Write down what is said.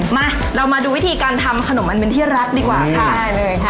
มาเรามาดูวิธีการทำขนมอันเป็นที่รักดีกว่าค่ะ